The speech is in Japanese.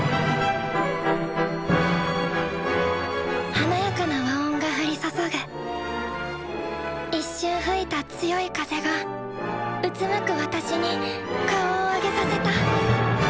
華やかな和音が降り注ぐ一瞬吹いた強い風がうつむく私に顔を上げさせた。